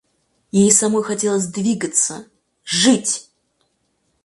Ей самой хотелось двигаться, жить.